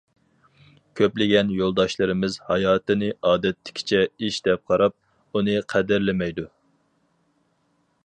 كۆپلىگەن يولداشلىرىمىز ھاياتىنى ئادەتتىكىچە ئىش دەپ قاراپ، ئۇنى قەدىرلىمەيدۇ.